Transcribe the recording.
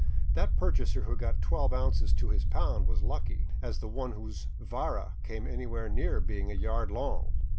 That purchaser who got twelve ounces to his pound was as lucky as the one whose vara came any where near being a yard long.